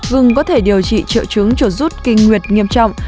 gừng có thể điều trị trụ trứng trổ rút kinh nguyệt nghiêm trọng